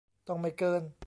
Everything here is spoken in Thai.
ต้องไม่เกิน